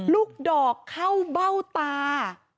ลูกดอกเข้าเบ้าตา